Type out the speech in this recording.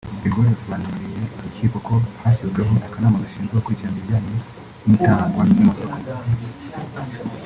De Gaulle yasobanuriye urukiko ko hashyizweho akanama gashinzwe gukurikirana ibijyanye n’itangwa ry’amasoko